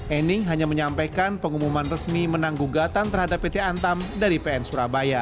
ening hanya menyampaikan pengumuman resmi menang gugatan terhadap pt antam dari pn surabaya